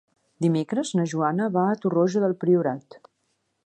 Dimecres na Joana va a Torroja del Priorat.